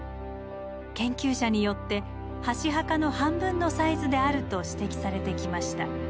研究者によって箸墓の半分のサイズであると指摘されてきました。